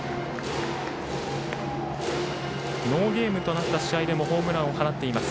ノーゲームとなった試合でもホームランを放っています